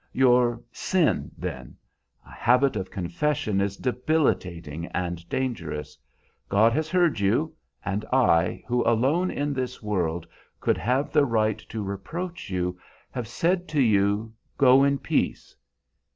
"Your sin, then. A habit of confession is debilitating and dangerous. God has heard you, and I, who alone in this world could have the right to reproach you, have said to you, Go in peace.